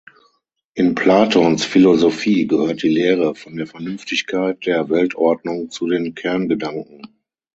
In Platons Philosophie gehört die Lehre von der Vernünftigkeit der Weltordnung zu den Kerngedanken.